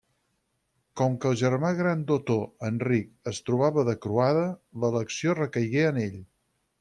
Com que el germà gran d'Otó, Enric, es trobava de croada, l'elecció recaigué en ell.